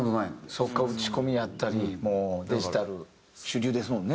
そうか打ち込みやったりもうデジタル主流ですもんね。